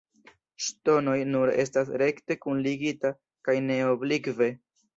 Ŝtonoj nur estas rekte kunligita kaj ne oblikve.